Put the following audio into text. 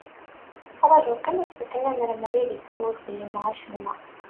Ttraǧuɣ kan ad fakken amermeɣ i deg ur fhimeɣ acemma.